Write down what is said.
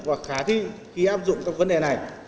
và khả thi khi áp dụng các vấn đề này